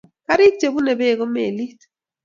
karik che bune peek ko melit